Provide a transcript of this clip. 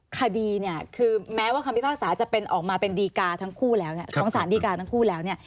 คดีเนี่ยคือแม้ว่าคำพิพากษาจะเป็นออกมาเป็นดีกาทั้งคู่แล้วเนี่ยของสารดีการทั้งคู่แล้วเนี่ย